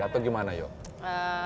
atau bagaimana yoko